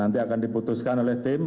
nanti akan diputuskan oleh tim